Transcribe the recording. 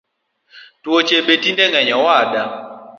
Tuoche betinde ngeny owada